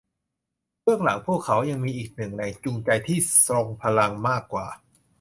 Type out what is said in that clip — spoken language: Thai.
เบื้องหลังพวกเขายังมีอีกหนึ่งแรงจูงใจที่ทรงพลังมากกว่า